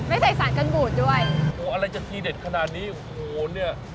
ไม่ใส่สารกันบูดด้วยโอ้โหอะไรจะทีเด็ดขนาดนี้โอ้โหเนี่ย